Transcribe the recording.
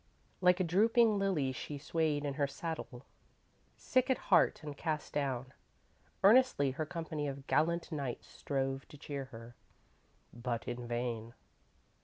Like a drooping lily she swayed in her saddle, sick at heart and cast down. Earnestly her company of gallant knights strove to cheer her, but in vain.